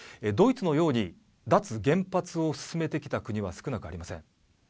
ドイツのように脱原発を進めてきた国は少なくありません。